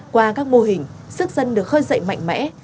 qua các mô hình sức dân được khơi dậy mạnh mẽ